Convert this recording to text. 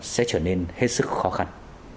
sẽ trở nên hết sức khó khăn